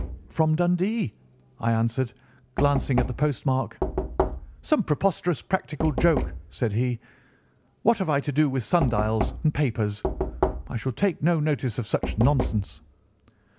"'From Dundee,' I answered, glancing at the postmark. "'Some preposterous practical joke,' said he. 'What have I to do with sundials and papers? I shall take no notice of such nonsense.